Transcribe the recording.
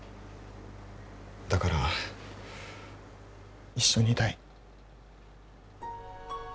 だから一緒にいたい。